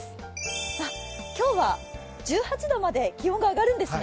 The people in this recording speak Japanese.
今日は１８度まで気温が上がるんですね。